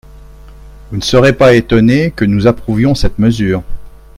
Vous ne serez pas étonnés que nous approuvions cette mesure.